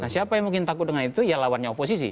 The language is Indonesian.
siapa yang mungkin takut dengan itu ya lawannya oposisi